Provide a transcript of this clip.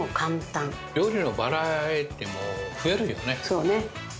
そうね。